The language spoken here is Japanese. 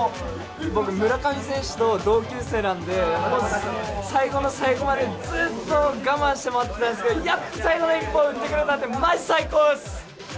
僕、村上選手と同級生なんで、最後の最後までずっと我慢して待ってたんですけど、やっと最後の一本打ってくれたんで、まじ最高です！